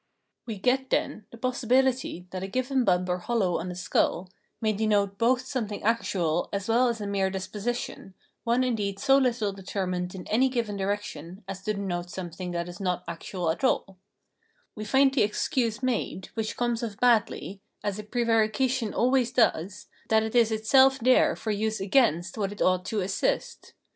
We get, tlen, the possibihty that a given bump or hollow on the skull may denote both something actual as well as a mere disposition, one indeed so httle deter 328 Phenmnenology of Mind mined in any given direction as to denote something that is not actual at alL We find the excuse made, which comes off badly, as a prevarication always does, that it is itself there for use against what it ought to assist.